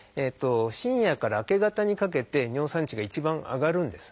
深夜から明け方にかけて尿酸値が一番上がるんですね。